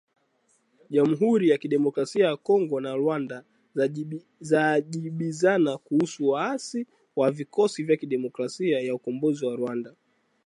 Jamhuri ya Kidemokrasia ya Kongo na Rwanda zajibizana kuhusu waasi wa Vikosi vya Kidemokrasia vya Ukombozi wa Rwanda